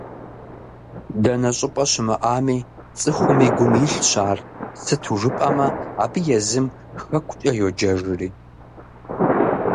Дэнэ щӏыпӏэ щымыӏами, цӏыхум и гум илъщ ар, сыту жыпӏэмэ абы езым Хэкукӏэ йоджэжри.